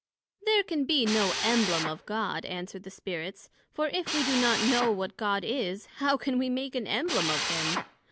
There can be no Embleme of God, answered the Spirits; for if we do not know what God is, how can we make an Embleme of him?